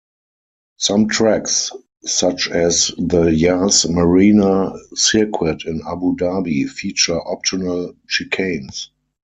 Some tracks, such as the Yas Marina Circuit in Abu Dhabi, feature optional chicanes.